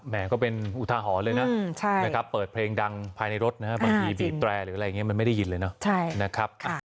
แหมก็เป็นอุทาหอเลยนะเปิดเพลงดังภายในรถบางทีบีบแตรหรืออะไรอย่างเงี้ยมันไม่ได้ยินเลยนะ